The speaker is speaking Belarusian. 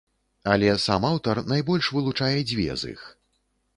Але сам аўтар найбольш вылучае дзве з іх.